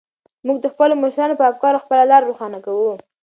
موږ د خپلو مشرانو په افکارو خپله لاره روښانه کوو.